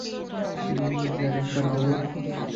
Please, আরেক বার বলুন।